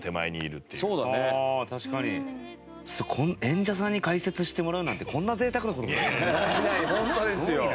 演者さんに解説してもらうなんてこんな贅沢な事ないですよね。